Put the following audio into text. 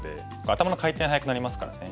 頭の回転速くなりますからね。